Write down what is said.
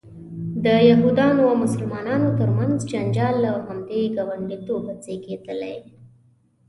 د یهودانو او مسلمانانو ترمنځ جنجال له همدې ګاونډیتوبه زیږېدلی.